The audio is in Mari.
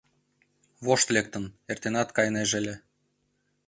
Вошт лектын, эртенат кайынеже ыле.